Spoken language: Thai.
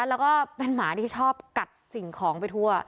แล้วก็เป็นหมาที่ชอบกัดสิ่งของไปทั่ว